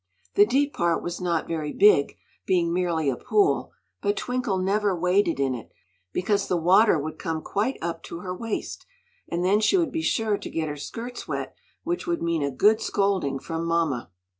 The deep part was not very big, being merely a pool, but Twinkle never waded in it, because the water would come quite up to her waist, and then she would be sure to get her skirts wet, which would mean a good scolding from mamma.